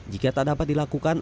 jika tak dapat dilakukan